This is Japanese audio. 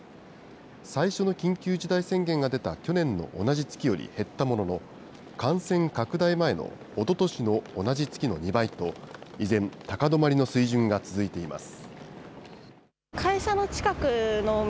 最初の緊急事態宣言が出た去年の同じ月より減ったものの、感染拡大前のおととしの同じ月の２倍と、依然、高止まりの水準が続いています。